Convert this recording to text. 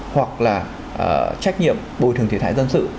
hoặc là trách nhiệm bồi thường thiệt hại dân sự